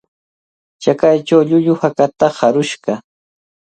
Chakaychaw llullu hakata harushqa